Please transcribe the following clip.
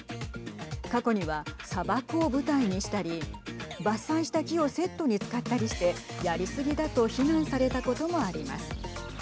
過去には砂漠を舞台にしたり伐採した木をセットに使ったりしてやり過ぎだと非難されたこともあります。